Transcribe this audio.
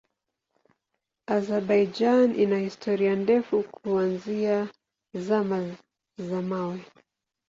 Azerbaijan ina historia ndefu kuanzia Zama za Mawe.